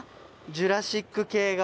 ジュラシック系が。